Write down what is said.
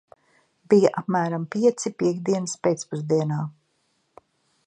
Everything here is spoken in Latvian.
Bija apmēram pieci piektdienas pēcpusdienā.